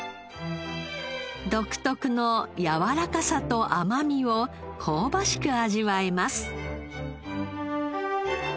独特のやわらかさと甘みを香ばしく味わえます。